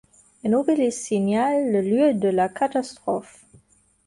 Un obélisque signale le lieu de la catastrophe.